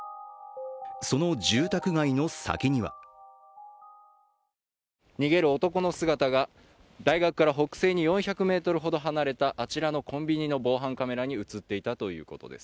その住宅街の先には逃げる男の姿が、大学から北西に４００ｍほど離れたあちらのコンビニの防犯カメラに映っていたということです。